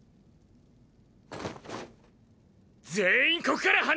全員ここから離れろ！！